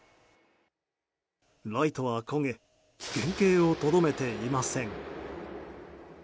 ライトは焦げ原形をとどめていません。